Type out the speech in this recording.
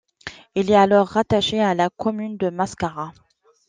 Il est alors rattaché à la commune de Mascara.